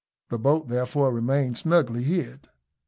The boat, therefore, remained snugly hid.